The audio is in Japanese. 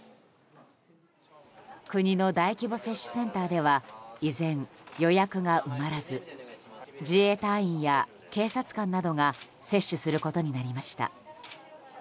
国の大規模接種センターでは依然、予約が埋まらず自衛隊員や警察官などが接種することになりました。